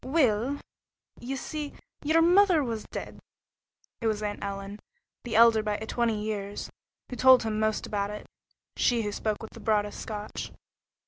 "Weel, ye see, ye'r mither was dead." It was Aunt Ellen, the elder by twenty years, who told him most about it, she who spoke with the broadest Scotch.